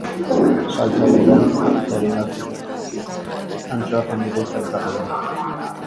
Saltsa berdean egindako antxoak jango dituzte elkarrekin.